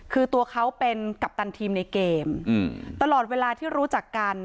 คือตัวเขาเป็นกัปตันทีมในเกมตลอดเวลาที่รู้จักกัน